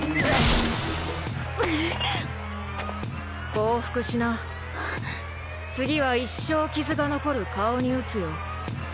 降伏しな次は一生傷が残る顔に撃つよ